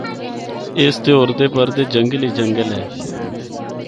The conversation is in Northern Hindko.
اس دے اُردے پردے جنگل ای جنگل اے۔